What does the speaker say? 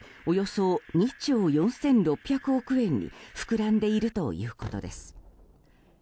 およそ２兆４６００億円にふくらんでいるということです。